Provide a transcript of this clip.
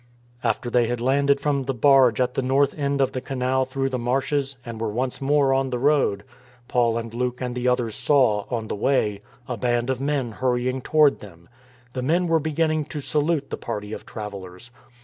After they had landed from the barge at the north end of the canal through the marshes, and were once more on the road, Paul and Luke and the others saw, on the Way, a band of men hurrying toward them. The men were beginning to salute the party of travel lers.